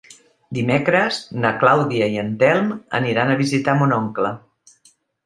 Dimecres na Clàudia i en Telm aniran a visitar mon oncle.